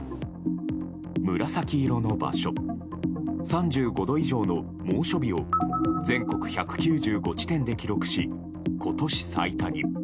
紫色の場所３５度以上の猛暑日を全国１９５地点で記録し今年最多に。